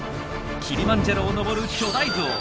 キリマンジャロを登る巨大ゾウ。